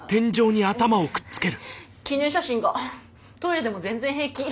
記念写真がトイレでも全然平気。